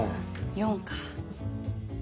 ４か。